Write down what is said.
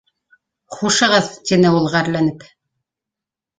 Хушығыҙ, — тине ул, ғәрләнеп